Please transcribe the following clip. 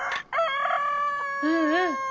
うんうん。